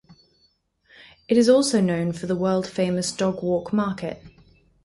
It is also known for the "World Famous" Dogwalk Market.